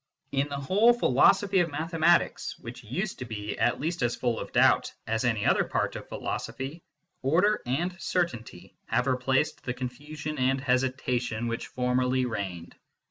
In the whole philosophy of mathematics, which 8o MYSTICISM AND LOGIC used to be at least as full of doubt as any other part of philosophy, order and certainty have replaced the con fusion and hesitation which formerly reigned.